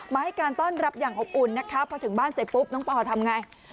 ให้การต้อนรับอย่างอบอุ่นนะคะพอถึงบ้านเสร็จปุ๊บน้องปอทำไง